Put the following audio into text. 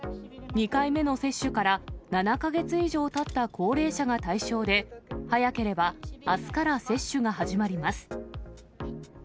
２回目の接種から７か月以上たった高齢者が対象で、早ければあすから接種が始まります。